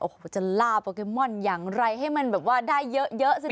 โอ้โหจะล่าโปเกมอนอย่างไรให้มันแบบว่าได้เยอะสิ